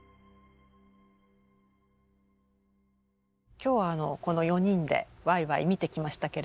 今日はこの４人でわいわい見てきましたけれども。